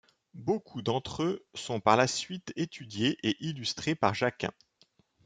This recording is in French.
Beaucoup d'entre eux sont par la suite étudiés et illustrés par Jacquin.